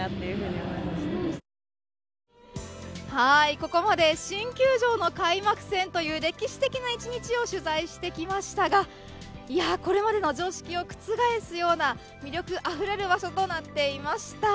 ここまで新球場の開幕戦という歴史的な１日を取材してきましたがこれまでの常識を覆すような魅力あふれる場所となっていました。